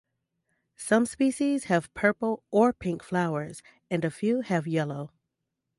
Some species have purple or pink flowers, and a few have yellow.